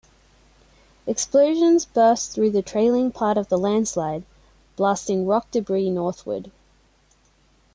Explosions burst through the trailing part of the landslide, blasting rock debris northward.